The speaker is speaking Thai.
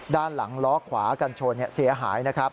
ด้านหลังล้อขวากันชนเสียหาย